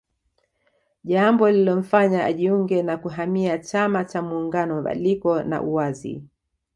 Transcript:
Jambo lililomfanya ajiunge na kuhamia chama cha muungano mabadiliko na uwazi